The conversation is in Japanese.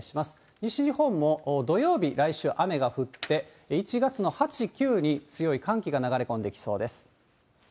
西日本も土曜日、来週、雨が降って、１月の８、９に強い寒気が流れ込んできそうです。